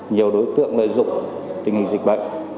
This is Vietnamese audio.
nhiều đối tượng lợi dụng tình hình dịch bệnh